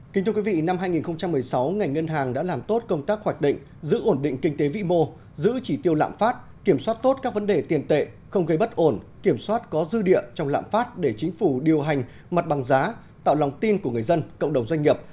kính thưa quý vị năm hai nghìn một mươi sáu ngành ngân hàng đã làm tốt công tác hoạch định giữ ổn định kinh tế vĩ mô giữ chỉ tiêu lạm phát kiểm soát tốt các vấn đề tiền tệ không gây bất ổn kiểm soát có dư địa trong lãm phát để chính phủ điều hành mặt bằng giá tạo lòng tin của người dân cộng đồng doanh nghiệp